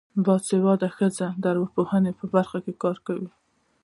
باسواده ښځې د ارواپوهنې په برخه کې کار کوي.